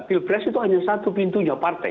pilpres itu hanya satu pintunya partai